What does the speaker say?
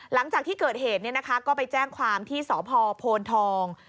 หลังจากที่เกิดเหตุก็ไปแจ้งความที่สพโพนทอง